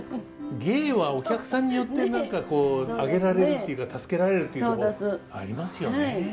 芸はお客さんによって何かこう上げられるっていうか助けられるっていうとこありますよね。